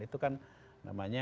itu kan namanya